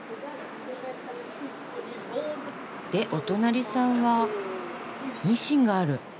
でお隣さんはミシンがある。